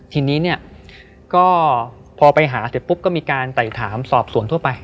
ทีนี้เนี่ยก็พอไปหาเสร็จปุ๊บก็มีการไต่ถามสอบสวนทั่วไป